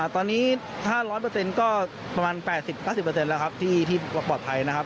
ตอนนี้ถ้าร้อนประเทศก็ประมาณ๘๐แล้วครับที่บอกปลอดภัยนะครับ